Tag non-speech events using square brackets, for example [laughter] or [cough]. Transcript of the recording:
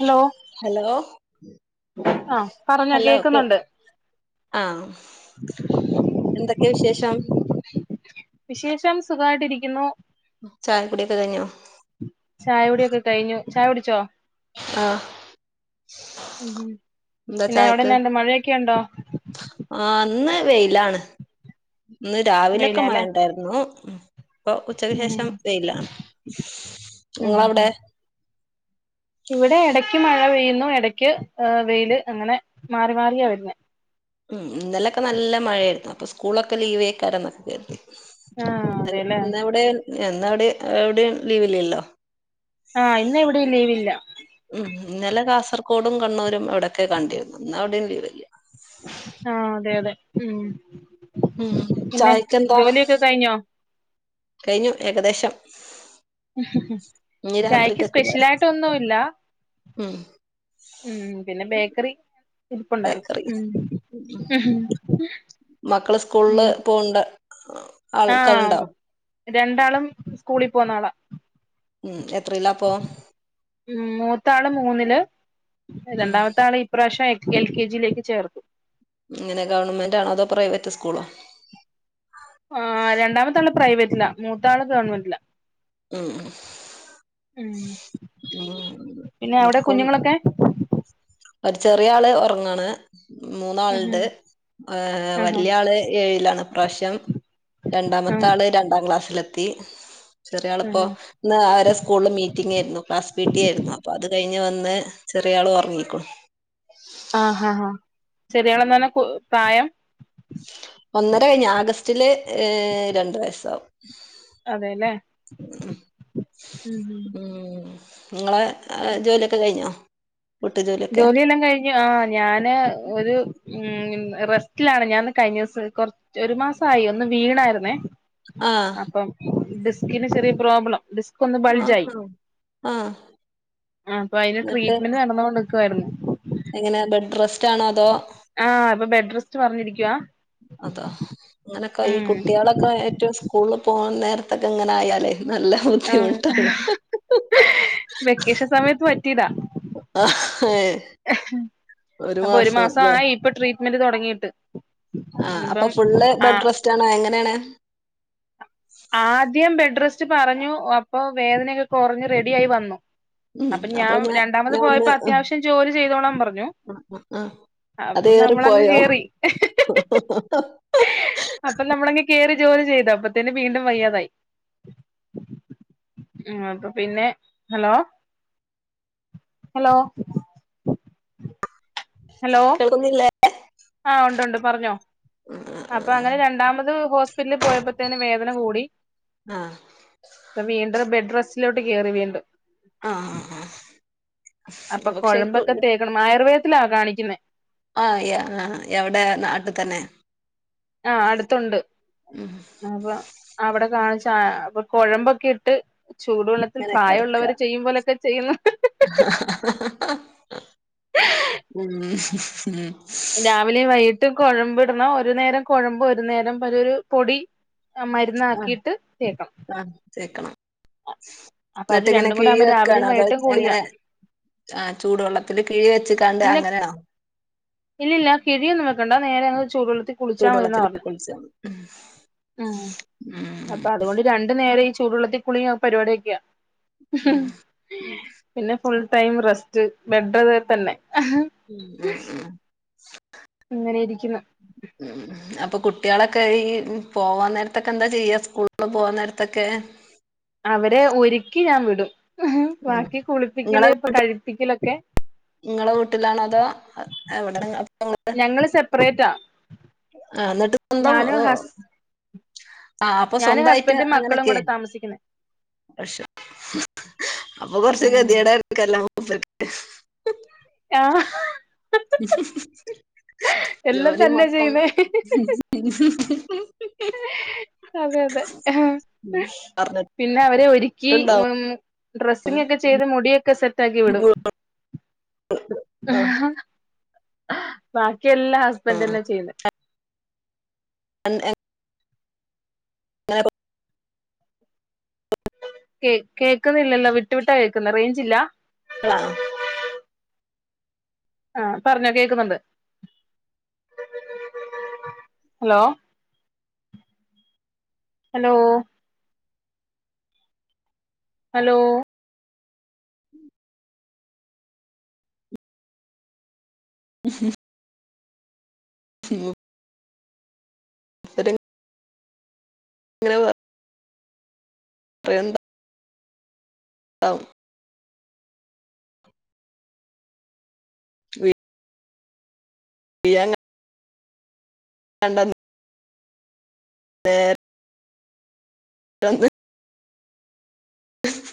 Hello hello ആഹ് പറഞ്ഞോ hello കേ കേക്കുന്നുണ്ട് ആ എന്തൊക്കെ വിശേഷം? വിശേഷം സുഖായിട്ടിരിക്കുന്നു. ചായക്കുടിയൊക്കെ കഴിഞ്ഞോ? ചായ കുടിയൊക്കെ കഴിഞ്ഞു. ചായ കുടിച്ചോ? ആഹ് [inaudible] എന്താ പിന്നെ ചായക്ക് അവിടെന്നെണ്ട് മഴയെക്കെ ഉണ്ടോ? ആഹ് ഇന്ന് വെയിലാണ്. ഇന്ന് രാവിലൊക്ക വെയിലാല്ലേ മഴണ്ടാര്ന്നു. ഇപ്പ ഉം ഉച്ചക്ക്ശേഷം വെയില. ഉം ഇങ്ങളവ്ടെ? ഉം ഇവിടെ എടക്ക് മഴ പെയ്യുന്നു എടക്ക് ഏഹ് വെയില് അങ്ങനെ മാറി മാറിയാ വര്ന്നെ. ഉം ഇന്നലെക്കെ നല്ല മഴയാര്ന്നു. അപ്പ സ്കൂളൊക്ക ലീവേക്കാരെന്നക്ക കര്തി. ആഹ് [unintelligible] അതെല്ലേ ഇന്ന് എവിടെണ് എന്ന അവിടെ എവിടെയും ലീവില്ലല്ലോ? ആ ഇന്ന് എവിടെയും ലീവില്ല. ക്കോടും കണ്ണൂരും എവിടെക്കെ കണ്ടിരുന്നു. ഇന്ന് അവിടേയും ലീവില്ല. ആഹ് അതെ അതെ ഉം ഉം പിന്നെ ചായക്കെന്താ ജോലിയൊക്കെ കഴിഞ്ഞോ? കഴിഞ്ഞു ഏകദേശം ഹ് ഹ് ഇനി ഹ്ചായക്ക് രാത്രിക്കൊക്കുള്ള സ്പെഷ്യലായിട്ട് ഒന്നുല്ല ഉം ഉം പിന്നെ ബേക്കറി ഇരിപ്പുണ്ടായി ബേക്കറി [unintelligible] ഉം മക്കള് സ്കൂള് ഉം ള്പോഹ്ണ്ട് ഹ ആഹ് ആൾക്കൽണ്ടാ രണ്ടാളും സ്കൂളിൽ പോണാളാ ഉം എത്രയിലാപ്പോ ഉ മൂത്താള് മൂന്നില് ല് ഉം രണ്ടാമത്തെ ആള് ഇപ്രാവശ്യം എൽ കെ ജിയിലേക്ക് ചേർത്തു ഇങ്ങനെ ഗവൺമെന്റണോ അതോ പ്രൈവറ്റ് സ്കൂളോ ആ രണ്ടാമത്തെ ആള് പ്രൈവറ്റില മൂത്ത ആള് ഗവണ്മെന്റല്ല ഉം ഉം ഉം ഉം പിന്നെ അവിടെ നിക്കും കുഞ്ഞുങ്ങളൊക്കെ ഒരു ചെറിയ ആള് ഒറ് ങ്ങാണ് ഉം മൂന്നാൾണ്ട് ഏഹ് ആഹാ വല്ല്യ ആള് ഏഴിലാണ് ഇപ്രാവശ്യം രണ്ടാമത്തെ ആള് രണ്ടാം ക്ലാസ്സിലെത്ത ത്തി ആ ചെറിയാള്പ്പൊ ഇന്ന് അവരെ സ്കൂളിൽ മീറ്റിംഗ് ഏന്നു പീട്ടിയേരുന്നു അപ്പൊ അത് ക കഴിഞ് വന്ന് ചെറിയാള് ഓർങ്ങിക്കുണു ആഹ്ആഹ് ആഹ ചെറിയാളെന്നന്നെ കു പ്രായം ഒന്നര കഴിഞ്ഞ് ആഗസ്റ്റില് ഏ രണ്ട് വയസ്സാവും അതെല്ലേ ഉം ഉം ഉം ഇങ്ങളെ ജോലിയൊക്കെ കഴിഞ്ഞോ വീട്ടു ജോലിയൊക്കെ ജോലിയെല്ലാം കഴിഞ്ഞു ആ ഞാന് ഒരു ഉം റെസ്റ്റിലാണ് ഞാ ഇന്ന് കഴിഞ്ഞോസം കൊറച്ച് ഒരു മാസായി ഒന്ന് വീണായിരുന്നേ ആഹ് അപ്പം ഡിസ് കിന് ചെറ്യേ പ്രോബ്ലം ഡിസ് ക്കൊന്നു ബൾജായി ആഹാ ആഹ് അപ്പയ്ന് എന്നിട്ട് ട്രീറ്റ്മെന്റ് നടന്നോണ്ട് ക്യോരുന്നു എങ്ങനെ ബെഡ് റെസ്റ്റ്റ്റാണോ അതോ ക്യാ അതാ അങ്ങനൊക്കെ ഈ കുട്ടികളൊക്കെ ഏറ്റവും സ്കൂളും പോ നേരത്തൊക്കെ ഇങ്ങനെ ആയാല് നല്ല ആഹ് ബുദ്ധിമുട്ടാണ്. വെക്കേഷൻ സമയത്ത് പറ്റിയതാ ആ അപ്പൊ ഒരു മാസം മാസായി ഇപ്പൊ ട്രീറ്റ് മെൻ്റ് തൊടങ്ങിയിട്ട്. ആ അപ്പൊ ഫുള്ള് ബെഡ് റെസ്റ്റ് ആണോ? എങ്ങനെയാണ്? ആദ്യം ബെഡ് റെസ്റ്റ് പറഞ്ഞു. അപ്പൊ വേദനയൊക്കെ കൊറഞ്ഞു. റെഡിയായി വന്നു. ഉം അപ്പ അപ്പൊ ഞാൻ രണ്ടാമത് ഞാൻ ഒന്ന് പോയപ്പോ അത്യാവശ്യം ജോലി ചെയ്തോളാൻ പറഞ്ഞു. ആഹ് അത് അപ്പൊ നമ്മളങ്ങ് ഏറിപ്പോയോ കേറി. അപ്പൊ നമ്മളങ്ങ് കേറി ജോലി ചെയ്തു. അപ്പത്തേന് വീണ്ടും വയ്യാതായി. അപ്പൊ പിന്നെ ഹലോ ഹലോ കേൾക്കുന്നില്ലേ? ആഹ് ഒണ്ടൊണ്ട് പറഞ്ഞോ അപ്പൊ ആഹ് അങ്ങനെ രണ്ടാമത് ഹോസ്പിറ്റലിൽ പോയപ്പോത്തേന് വേദന കൂടി ആഹ് ഇപ്പ വീണ്ടും ബെഡ് റെസ്റ്റ്. ലോട്ട് കേറി വീണ്ടും. ആഹ് ആഹ് ആഹ് പക്ഷെ ത്തിലാ കാണിക്കുന്നേ. ആ യ ആഹ് എവിടെയാ നാട്ടി തന്നെ? ആഹ് അടുത്തൊണ്ട്. ഉം അപ്പൊ അവിടെ കാണിച്ച അപ്പൊ കൊഴമ്പൊക്കെ ഇട്ട് ചൂടുവെള്ളത്തിൽ ഇങ്ങനെ കെടക്ക പ്രായമുള്ളവര് ചെയ്യുമ്പോലൊക്കെ ചെയ്യുന്നു. മ്ഹ് ഹ് മ് രാവിലേം വൈയി ട്ടും കൊഴമ്പിടണം ഒരു നേരം കൊഴമ്പ് ഒരു നേരം [unintelligible] പൊടി ആഹ് മരുന്നാക്കിയിട്ട് തേക്കാം. ആഹ് തേക്കണം. എന്നിട്ടിങ്ങനെ രണ്ടും കൂടെ കിഴി ആകുമ്പോ വെക്കാണോ രാവിലെയും അതോ വൈകിട്ടും കുളിയാ എങ്ങനെ ആ ചൂടുവെള്ളത്തിൽ കിഴി വെച്ച്കാണ്ട് ഇല്ല അങ്ങനാണോ. ചൂടുവെള്ള ത്തി കുളിച്ചാ മതിന്നാ പറഞ്ഞേ. ഉം ആ ഉം അപ്പൊ അതുകൊണ്ട് രണ്ട്‌ നേര ചൂടുള്ളത്തി കുളിയും പരിപാടിയൊക്കെയാ. ഉം ഉം പിന്നെ ഫുൾ ടൈം റെസ്റ്റ് ബെഡ് [unintelligible] തന്നെ. ഉം ഉം ഉം അങ്ങനെ ഇരിക്കുന്നു പ്പൊ കുട്ട്യാളൊക്കെ ഈ പോവാൻ നേരത്തൊക്കെന്താ ചെയ്യ സ്കൂളിൽ പോകാൻ നേരത്തൊക്കെ അവരെ ഒരുക്കി ഞാൻ വിടും ഉം ബാക്കി കുളിപ്പിക്കല് പ്പൊ കഴിപ്പിക്കലൊ [unintelligible] നിങ്ങളെ വീട്ടിലാണോ അതോ എവിട അപ്പ ങ്ങള് ഞങ്ങള് സെപ്പറേറ്റാ ആ എന്നിട്ട് സ്വന്തം ഞാനും ഹസ് ആഹ് അപ്പൊ ഞാനും സ്വന്തായിട്ട് ഹസ്ബൻഡും മക്കളും അങ്ങനൊക്കെ കൂടെ താമസിക്കുന്നേ പക്ഷേ അപ്പൊ കൊർച്ച് ഉം കെതിയേടേയ്ക്കാരല്ലോ [unintelligible] ആഹ് എല്ലാം ജോലി തന്നെ മൊത്തം ചെയ്യുന്നേ ഉം അതെ അതെ ആ പിന്നെ അവരെ ഒരി ക്കി പറഞ്ഞിട്ടുണ്ടാവും ഉം ഡ്രസ്സിംഗ് ഒക്കെ ചെയ്ത് മുടിയൊക്കെ സെറ്റ് റ്റാക്കി വിടും ആഹ് ആഹാ ബാക് ക്കി എല്ലാ ഹസ്ബൻഡ് തന്ന ചെയ്യുന്നെ അന്ന് എൻ അങ്ങനെ പൊ കേ കേക്കുന്നില്ലല്ലോ വിട്ടു വിട്ടാ കേക്കുന്നെ റേഞ്ച് ഇല്ല ക്കളാ ആ പറഞ്ഞോ കേക്കുന്നുണ്ട് ഹലോ ഹലോ ഹലോ ഉം ഉവ്വ് ത്തര് അങ്ങനെ പ അത് എന്താ അം വി ഇയാങ്ങ് കണ്ടന്റ് പേ എന്ത്